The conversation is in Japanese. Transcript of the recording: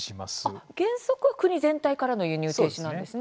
あっ原則は国全体からの輸入停止なんですね。